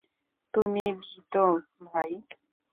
তুমি ভীত, ভাই!